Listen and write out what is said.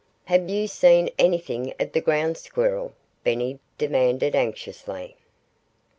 "Have you seen anything of the Ground Squirrel?" Benny demanded anxiously.